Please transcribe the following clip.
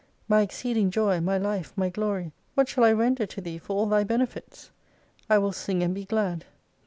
My exceeding joy, my life, my glory, what shall I render to Thee, for all Thy benefits ? I will sing and be glad.